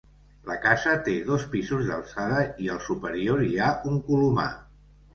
La casa té dos pisos d'alçada i al superior hi ha un colomar.